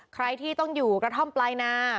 ใครที่ต้องอยู่กระท่อมปลายนา